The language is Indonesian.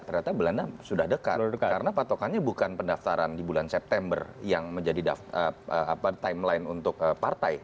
ternyata belanda sudah dekat karena patokannya bukan pendaftaran di bulan september yang menjadi timeline untuk partai